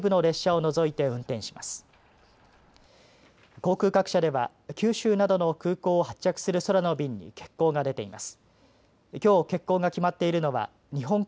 航空各社では九州などの空港を発着する空の便に欠航が出ています。